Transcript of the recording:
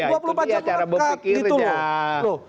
dua puluh empat jam lekat gitu loh